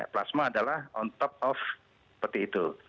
plasma adalah on top off seperti itu